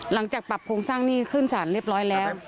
หลังจากปรับโครงสร้างหนี้ขึ้นสารเรียบร้อยแล้ว